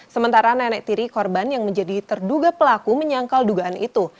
sementara nenek tiri korban yang menjadi terduga pelaku menyangkal dugaan itu